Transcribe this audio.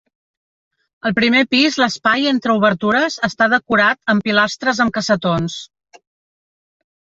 Al primer pis l'espai entre obertures està decorat amb pilastres amb cassetons.